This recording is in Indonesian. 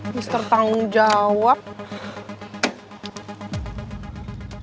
mister tanggung jawab